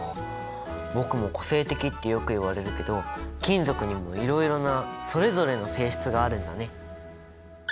僕も個性的ってよく言われるけど金属にもいろいろなそれぞれの性質があるんだね。